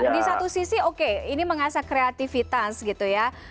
di satu sisi oke ini mengasah kreativitas gitu ya